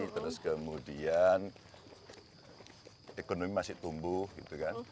terus kemudian ekonomi masih tumbuh gitu kan